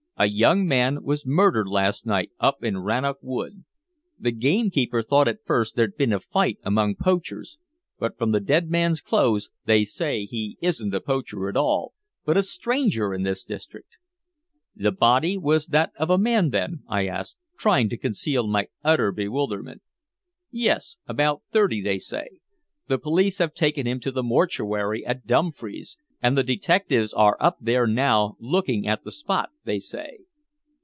A young man was murdered last night up in Rannoch Wood. The gamekeeper thought at first there'd been a fight among poachers, but from the dead man's clothes they say he isn't a poacher at all, but a stranger in this district." "The body was that of a man, then?" I asked, trying to conceal my utter bewilderment. "Yes about thirty, they say. The police have taken him to the mortuary at Dumfries, and the detectives are up there now looking at the spot, they say."